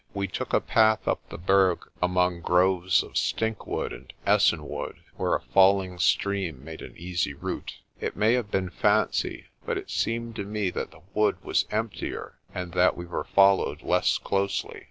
We took a path up the Berg among groves of stinkwood and essenwood, where a falling stream made an easy route. It may have been fancy, but it seemed to me that the wood was emptier and that we were followed less closely.